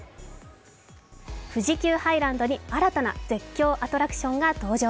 富士急ハイランドに新たな絶叫アトラクションが登場。